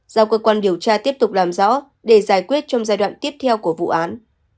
giao cơ quan điều tra tiếp tục làm rõ để giải quyết trong giai đoạn tiếp theo của vụ án